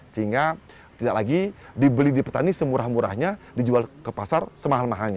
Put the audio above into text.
sehingga tidak lagi dibeli di petani semurah murahnya dijual ke pasar semahal mahalnya